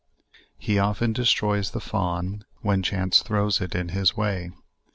He often destroys the fawn, when chance throws it in his way.